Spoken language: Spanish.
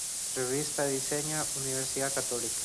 Revista Diseña Universidad Católica.